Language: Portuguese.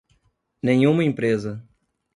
Nenhuma empresa